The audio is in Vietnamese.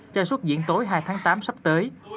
cho suốt diễn tối hai tháng tám sắp tới